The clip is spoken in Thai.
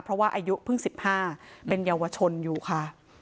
เพราะว่าอายุเพิ่ง๑๕เป็นเยาวชนอยู่ค่ะ